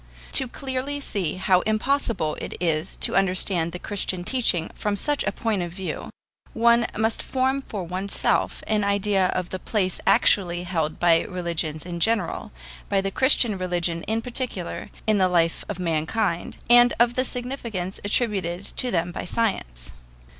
To see clearly how impossible it is to understand the Christian teaching from such a point of view, one must form for oneself an idea of the place actually held by religions in general, by the Christian religion in particular, in the life of mankind, and of the significance attributed to them by science.